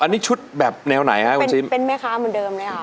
อันนี้ชุดแบบแนวไหนฮะคุณชิมเป็นแม่ค้าเหมือนเดิมเลยค่ะ